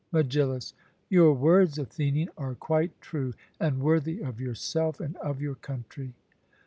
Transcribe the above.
MEGILLUS: Your words, Athenian, are quite true, and worthy of yourself and of your country.